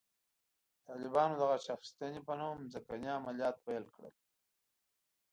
طالبانو د غچ اخیستنې په نوم ځمکني عملیات پیل کړل.